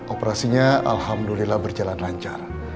operasinya alhamdulillah berjalan lancar